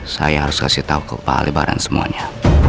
saya harus kasih tau ke pak alibaran semuanya